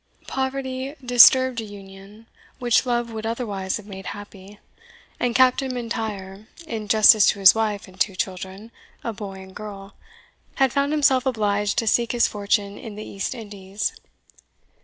Poverty disturbed a union which love would otherwise have made happy, and Captain M'Intyre, in justice to his wife and two children, a boy and girl, had found himself obliged to seek his fortune in the East Indies.